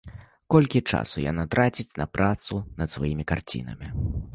Колькі часу яна траціць на працу над сваімі карцінамі?